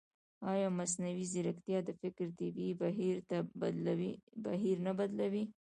ایا مصنوعي ځیرکتیا د فکر طبیعي بهیر نه بدلوي؟